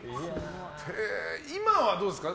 今はどうですか？